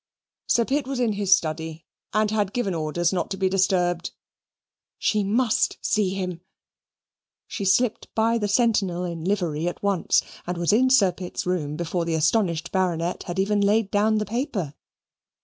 Sir Pitt was in his study, and had given orders not to be disturbed she must see him she slipped by the sentinel in livery at once, and was in Sir Pitt's room before the astonished Baronet had even laid down the paper.